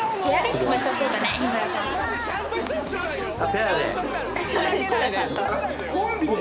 ペアで。